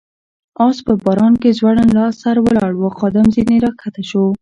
آس په باران کې ځوړند سر ولاړ و، خادم ځنې را کښته شو.